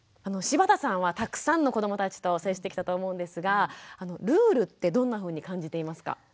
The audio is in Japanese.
柴田さんはたくさんの子どもたちと接してきたと思うんですがルールってどんなふうに感じていますか？